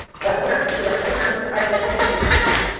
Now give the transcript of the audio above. Warmikunapa churakunan pʼalta chuku.